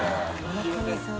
村上さん。